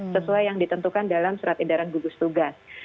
sesuai yang ditentukan dalam surat edaran gugus tugas